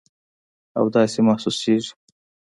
او داسې محسوسیږي